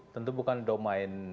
tentu bukan domain